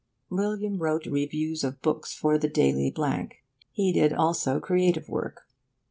William wrote reviews of books for the Daily . He did also creative work.